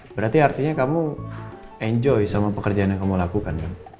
berarti artinya kamu enjoy sama pekerjaan yang kamu lakukan kan